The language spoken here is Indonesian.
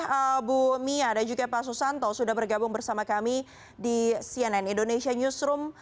terima kasih bu mia dan juga pak susanto sudah bergabung bersama kami di cnn indonesia newsroom